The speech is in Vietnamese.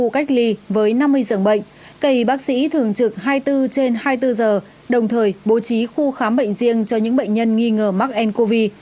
cây bác sĩ thường trực hai mươi bốn trên hai mươi bốn giờ đồng thời bố trí khu khám bệnh riêng cho những bệnh nhân nghi ngờ mắc ncov